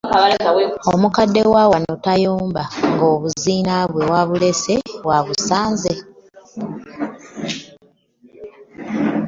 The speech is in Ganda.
Omukadde wa wano tayomba ng'obuzinabwe wabulese wabusanze.